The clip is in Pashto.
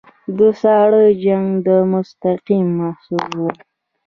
د ساړه جنګ مستقیم محصول وو.